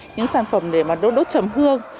những sản phẩm để đốt chấm hương